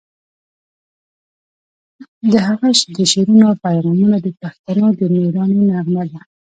د هغه د شعرونو پیغامونه د پښتنو د میړانې نغمه ده.